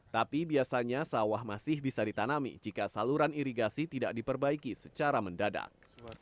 tapi biasanya sawah masih bisa ditanami jika saluran irigasi tidak diperbaiki secara mendadak